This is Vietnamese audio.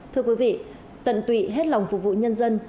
thưa quý vị tận tụy hết lòng phục vụ nhân dân